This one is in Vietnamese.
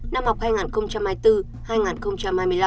năm học hai nghìn hai mươi bốn hai nghìn hai mươi năm